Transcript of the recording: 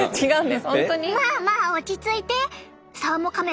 まあまあ落ち着いて！